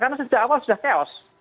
karena sejak awal sudah chaos